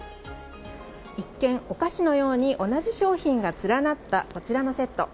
一見、お菓子のように同じ商品が連なったこちらのセット。